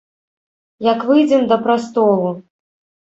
Як выйдзем да прастолу!